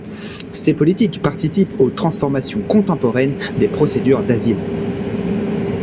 Ces politiques participent aux transformations contemporaines des procédures d'asile.